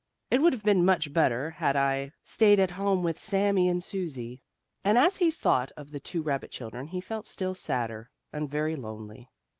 "It would have been much better had I stayed at home with Sammie and Susie." And as he thought of the two rabbit children he felt still sadder, and very lonely.